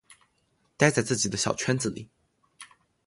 待在自己的小圈子里